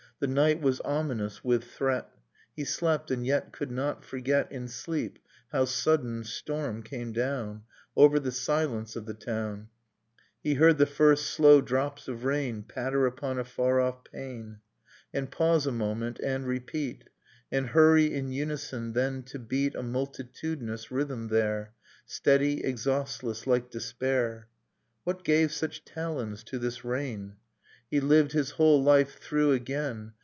| The night was ominous with threat. He slept; and yet could not forget, ' In sleep, how sudden storm came down j Over the silence of the town; He heard the first slow drops of rain '■ Patter upon a far off pane, And pause a moment, and repeat, i And hurry in unison, then, to beat ] A multitudinous rhythm there, i Steady, exhaustless, like despair ... j j Nocturne of Remembered Spring What gave such talons to this rain? He Uved his whole life tlirough again